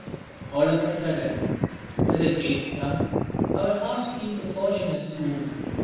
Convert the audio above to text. All of a sudden, with a great big thump, our hearts seem to fall in a swoon.